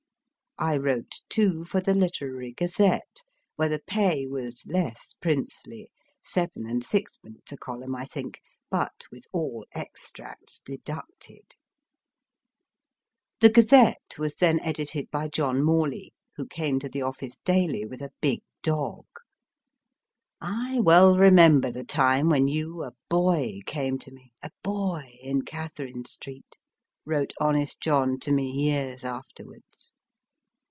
I wrote, too, for the Literary Gazette, where the pay was less princely seven and sixpence a column, I think, but with all extracts deducted ! The Gazette was then edited by John Morley, who came to the office daily with a big dog. I well remember the time when you, a boy, came to me, a boy, in Catherine Street/ wrote honest John to me years afterwards.